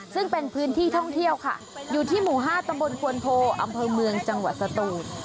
ซึ่งเป็นพื้นที่ท่องเที่ยวค่ะอยู่ที่หมู่๕ตำบลควนโพอำเภอเมืองจังหวัดสตูน